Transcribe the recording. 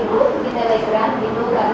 nah terus kita berbaikat dengan